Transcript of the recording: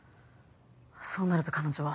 そうなると彼女は。